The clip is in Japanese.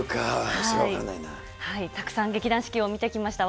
たくさん劇団四季を見てきました